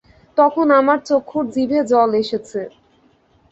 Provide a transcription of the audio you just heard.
তখন আমার চক্ষুর জিভে জল এসেছে।